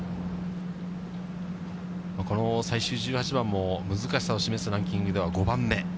この最終１８番も難しさを示すランキングでは、５番目。